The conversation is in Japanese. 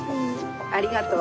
ありがとう。